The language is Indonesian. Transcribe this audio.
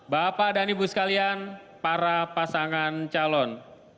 bapak dan ibu sekalian para pasangan calon